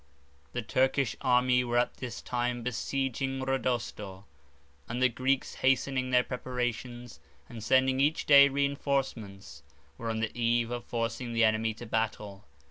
The Turkish army were at this time besieging Rodosto; and the Greeks, hastening their preparations, and sending each day reinforcements, were on the eve of forcing the enemy to battle.